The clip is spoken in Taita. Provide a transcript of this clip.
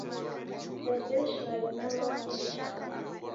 Fagia shighadi nama kunyo chai